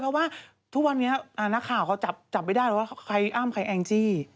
เพราะว่าทุกวันนี้นักข่าวเขาจับไม่ได้แล้วว่าใครอ้ำใครแองจี้